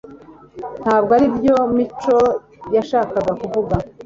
ntabwo aribyo mico yashakaga kuvuga